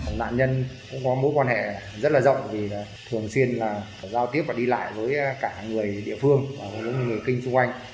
nạn nhân cũng có mối quan hệ rất là rộng vì là thường xuyên là giao tiếp và đi lại với cả người địa phương và những người kinh xung quanh